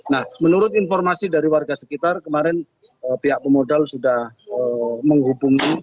nah menurut informasi dari warga sekitar kemarin pihak pemodal sudah menghubungi